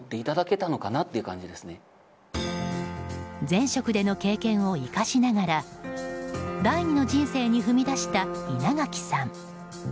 前職での経験を生かしながら第二の人生に踏み出した稲垣さん。